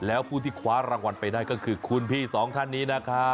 แล้วผู้ที่คว้ารางวัลไปได้ก็คือคุณพี่สองท่านนี้นะครับ